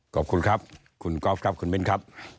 ขอบคุณครับคุณกอล์ฟครับคุณมิ้นครับ